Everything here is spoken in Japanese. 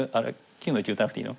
９の一打たなくていいの？